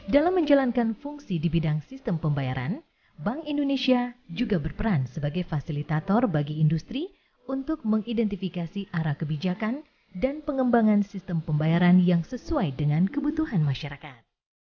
dalam menjalankan fungsi di bidang sistem pembayaran bank indonesia juga berperan sebagai fasilitator bagi industri untuk mengidentifikasi arah kebijakan dan pengembangan sistem pembayaran yang sesuai dengan kebutuhan masyarakat